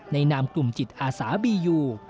ในนามกลุ่มจิตอาศาบีอยู่